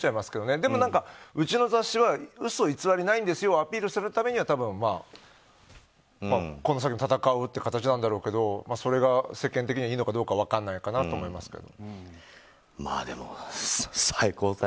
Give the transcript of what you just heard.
でも、うちの雑誌は嘘偽りないんですよをアピールするためにはこの先闘うという形なんだろうけどそれが世間的にはいいのかどうか分からないなと思いますけど。